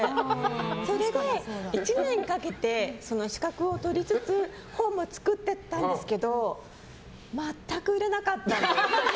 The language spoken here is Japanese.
それで、１年かけて資格を取りつつ本も作ってったんですけど全く売れなかったんです。